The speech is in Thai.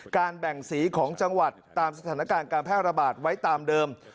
แบ่งสีของจังหวัดตามสถานการณ์การแพร่ระบาดไว้ตามเดิม